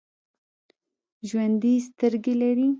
ژوندي سترګې لري